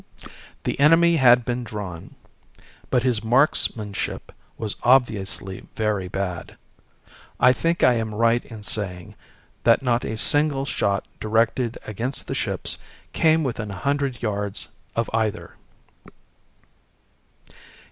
The enemy had been drawn, but his marksmanship was obviously very bad. I think I am right in saying that not a single shot directed against the ships came within a hundred yards of either."